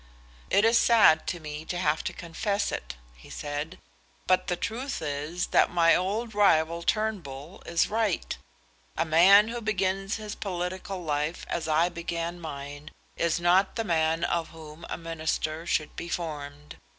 "It is sad to me to have to confess it," he said, "but the truth is that my old rival, Turnbull, is right. A man who begins his political life as I began mine, is not the man of whom a Minister should be formed.